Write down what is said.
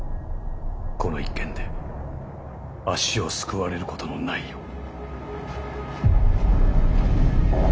この一件で足をすくわれることのないよう。